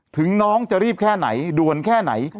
ถึงน้องจะรีบแค่ไหนด่วนแค่ไหน